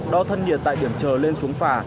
đo thân nhiệt tại điểm trờ lên xuống phà